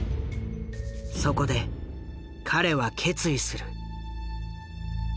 そこで彼は決意する。